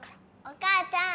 お母ちゃん。